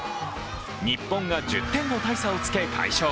日本が１０点の大差をつけ快勝。